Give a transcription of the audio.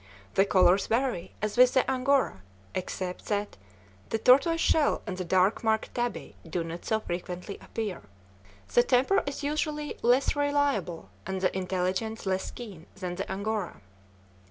The colors vary, as with the Angora, except that the tortoise shell and the dark marked tabby do not so frequently appear. The temper is usually less reliable and the intelligence less keen than the Angora.